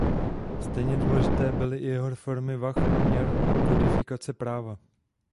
Stejně důležité byly i jeho reformy vah a měr a kodifikace práva.